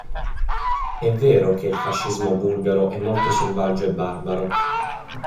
È vero che il fascismo bulgaro è molto selvaggio e barbaro.